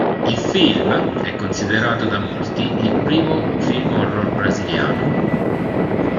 Il film è considerato da molti il primo film horror brasiliano.